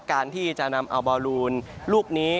การที่จะนำเอาบอลลูนลูกนี้